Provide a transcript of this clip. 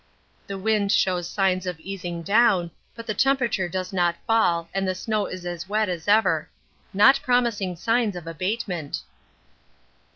The wind shows signs of easing down, but the temperature does not fall and the snow is as wet as ever not promising signs of abatement.